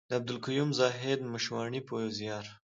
د عبدالقيوم زاهد مشواڼي په زيار.